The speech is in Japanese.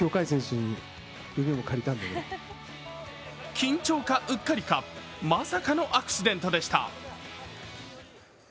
緊張か、うっかりか、まさかのアクシデントでした。